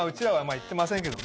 行ってませんけども。